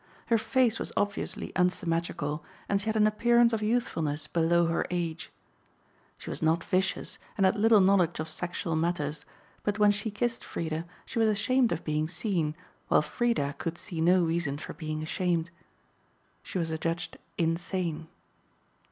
Her face was obviously unsymmetrical and she had an appearance of youthfulness below her age. She was not vicious, and had little knowledge of sexual matters, but when she kissed Freda she was ashamed of being seen, while Freda could see no reason for being ashamed. She was adjudged insane.